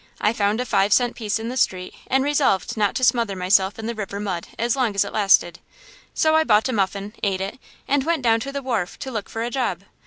I found a five cent piece in the street and resolved not to smother myself in the river mud as long as it lasted. So I bought a muffin, ate it, and went down to the wharf to look for a job.